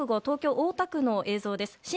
東京・大田区の様子です。